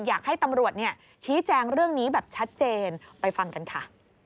อยากให้ตำรวจชี้แจงเรื่องนี้แบบชัดเจนไปฟังกันค่ะ